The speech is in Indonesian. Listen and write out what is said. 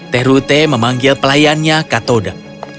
terute memanggil pelayannya katoda